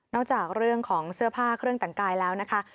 จากเรื่องของเสื้อผ้าเครื่องแต่งกายแล้วนะคะ